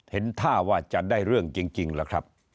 เห็นท่าว่าจะได้เรื่องจริงล่ะครับ